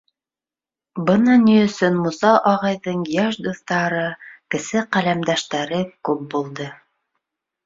Бына ни өсөн Муса ағайҙың йәш дуҫтары, кесе ҡәләмдәштәре күп булды.